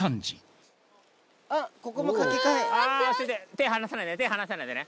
手離さないで手離さないでね。